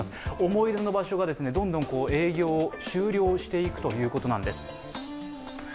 思い出の場所がどんどん営業を終了していくということなんです。